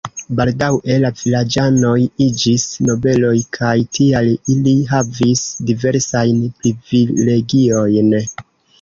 Baldaŭe la vilaĝanoj iĝis nobeloj kaj tial ili havis diversajn privilegiojn.